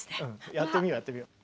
やってみようやってみよう。